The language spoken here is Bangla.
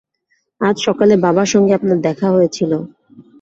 আজ সকালে বাবার সঙ্গে আপনার দেখা হয়েছিল।